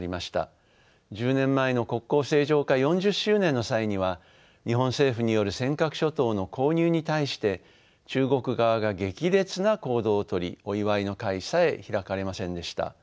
１０年前の国交正常化４０周年の際には日本政府による尖閣諸島の購入に対して中国側が激烈な行動をとりお祝いの会さえ開かれませんでした。